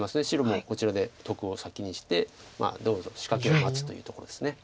白もこちらで得を先にして仕掛けを待つというところです。